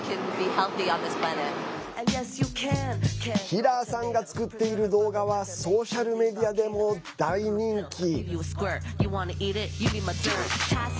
ヒラーさんが作っている動画はソーシャルメディアでも大人気。